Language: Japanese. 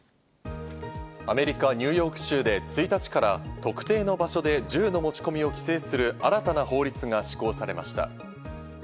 アメリカ・ニューヨーク州で１日から特定の場所で銃の持ち込みを規制する新たな法律が施行されました。